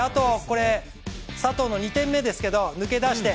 佐藤の２点目ですけど、抜け出して。